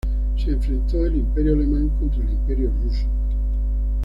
Se enfrentó el Imperio alemán contra el Imperio ruso.